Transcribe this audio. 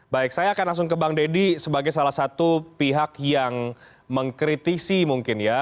baik saya akan langsung ke bang deddy sebagai salah satu pihak yang mengkritisi mungkin ya